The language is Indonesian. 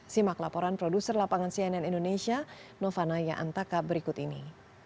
simak laporan produser lapangan cnn indonesia novana yaantaka berikut ini